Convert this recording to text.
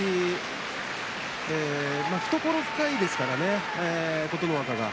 懐が深いですからね、琴ノ若は。